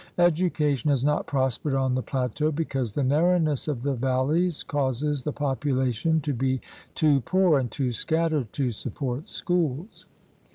Education has not prospered on the plateau because the narrowness of the valleys causes the population to be too poor and too scattered to support schools.